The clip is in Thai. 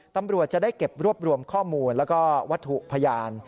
ตำรวจจะได้เก็บรวบรวมข้อมูลแล้วก็วัตถุพยาน